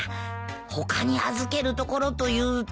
他に預けるところというと。